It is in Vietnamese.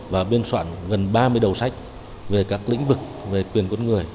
và biên soạn gần ba mươi đầu sách về các lĩnh vực về quyền con người